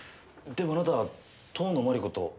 でもあなた遠野麻理子と。